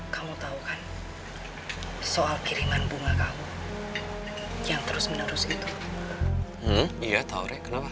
kamu tahu kan soal kiriman bunga kamu yang terus menerus gitu iya tahu reklamasi